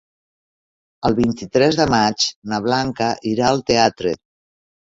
El vint-i-tres de maig na Blanca irà al teatre.